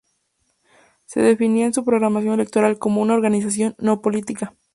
Se definía en su programa electoral como una organización "no política".